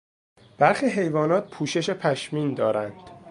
برخی حیوانات پوشش پشمین دارند.